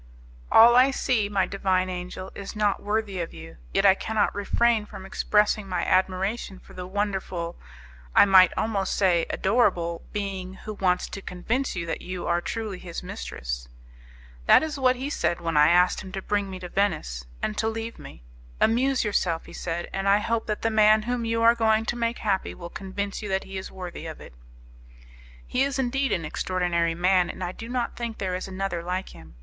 "All I see, my divine angel, is not worthy of you; yet I cannot refrain from expressing my admiration for the wonderful, I might almost say adorable, being who wants to convince you that you are truly his mistress." "That is what he said when I asked him to bring me to Venice, and to leave me. 'Amuse yourself,' he said, 'and I hope that the man whom you are going to make happy will convince you that he is worthy of it.'" "He is indeed an extraordinary man, and I do not think there is another like him.